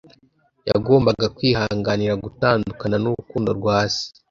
Yagombaga kwihanganira gutandukana n’urukundo rwa Se